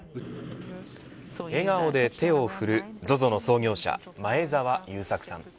笑顔で手を振るＺＯＺＯの創業者前澤友作さん。